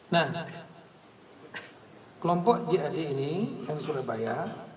nah kelompok jad ini yang di surabaya